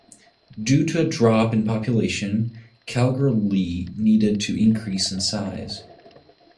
Due to a drop in population, Kalgoorlie needed to increase in size.